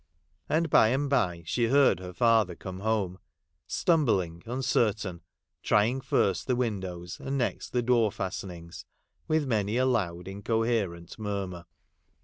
And by and bye she heard her father come home, stumbling uncertain, trying first the windows, and next the door fastenings, with many a loud incoherent murmur.